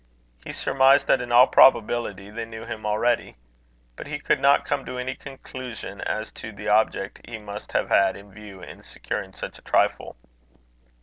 He surmised that in all probability they knew him already. But he could not come to any conclusion as to the object he must have had in view in securing such a trifle.